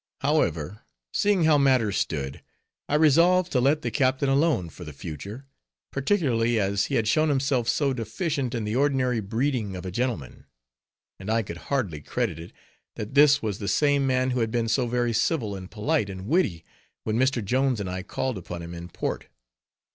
However, seeing how matters stood, I resolved to let the captain alone for the future, particularly as he had shown himself so deficient in the ordinary breeding of a gentleman. And I could hardly credit it, that this was the same man who had been so very civil, and polite, and witty, when Mr. Jones and I called upon him in port.